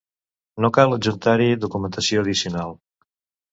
No cal adjuntar-hi documentació addicional.